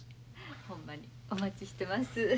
ほんまにお待ちしてます。